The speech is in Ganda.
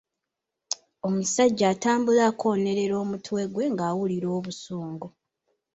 Omusajja atambula akoonerera omutwe gwe ng'awulira obusungu.